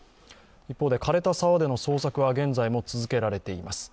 一方で、枯れた沢での捜索は現在も続けられています。